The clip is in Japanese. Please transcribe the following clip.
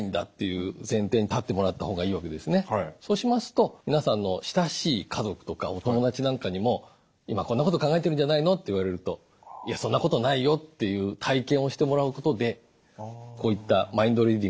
そうしますと皆さんの親しい家族とかお友達なんかにも「今こんなこと考えてるんじゃないの？」って言われると「いやそんなことないよ」っていう体験をしてもらうことでこういったＭｉｎｄＲｅａｄｉｎｇっていう悪い癖が減っていくと思います。